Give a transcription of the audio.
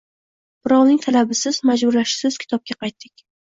Birovning talabisiz, majburlashisiz kitobga qaytdik